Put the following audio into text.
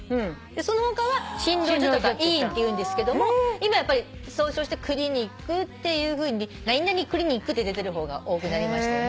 その他は診療所とか医院っていうんですけども今やっぱり総称して「クリニック」っていうふうに「何々クリニック」って出てる方が多くなりましたね。